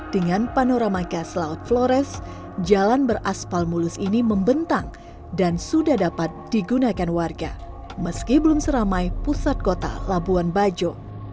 dengan panorama gas laut flores jalan beraspal mulus ini membentang dan sudah dapat digunakan warga meski belum seramai pusat kota labuan bajo